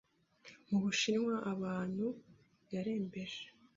Mu Bushinwa, abantu yarembeje